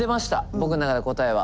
僕の中で答えは。